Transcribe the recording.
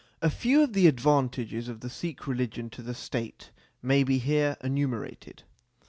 A few of the advantages of the Sikh religion to the State may be here enumerated.